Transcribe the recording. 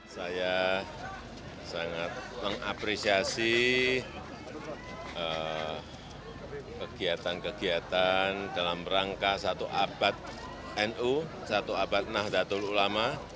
saya sangat mengapresiasi kegiatan kegiatan dalam rangka satu abad nu satu abad nahdlatul ulama